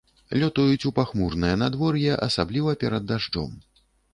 Лётаюць у пахмурае надвор'е, асабліва перад дажджом.